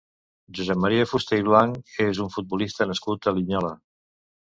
Josep Maria Fusté i Blanch és un futbolista nascut a Linyola.